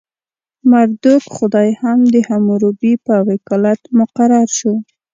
مردوک خدای هم د حموربي په وکالت مقرر شو.